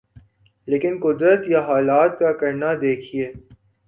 لیکن قدرت یا حالات کا کرنا دیکھیے۔